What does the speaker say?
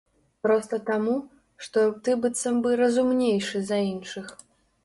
Проста таму, што ты быццам бы разумнейшы за іншых.